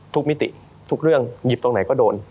มิติทุกเรื่องหยิบตรงไหนก็โดน